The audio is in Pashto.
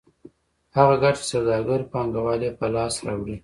هغه ګټه چې سوداګر پانګوال یې په لاس راوړي